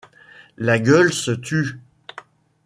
La gueule se tut.